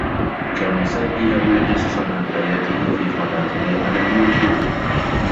كان سامي يروي قصصا عن حياته في قناته على اليوتوب.